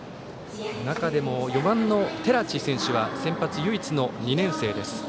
中でも、４番の寺地選手は先発唯一の２年生です。